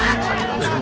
enggak ada pak ustad